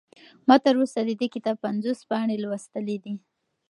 ما تر اوسه د دې کتاب پنځوس پاڼې لوستلي دي.